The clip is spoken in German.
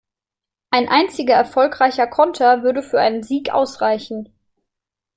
Ein einziger erfolgreicher Konter würde für einen Sieg ausreichen.